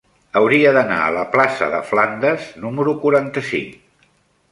Hauria d'anar a la plaça de Flandes número quaranta-cinc.